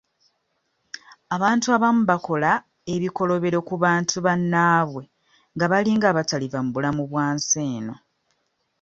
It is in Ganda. Abantu abamu bakola ebikolobero ku bantu bannaabwe nga balinga abataliva mu bulamu bwa nsi eno.